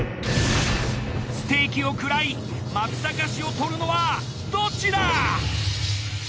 ステーキを食らい松阪市を取るのはどっちだ！？